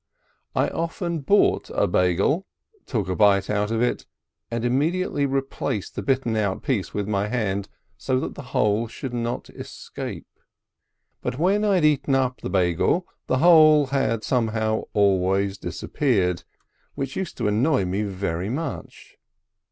I often bought a Beigel, took a bite out of it, and immediately replaced the bitten out piece with my hand, so that the hole should not escape. But when I had eaten up the Beigel, the hole had somehow always disappeared, which used to annoy me very much.